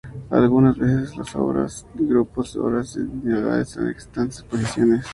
Algunas veces las obras y grupos de obras individuales son exhibidas en exposiciones.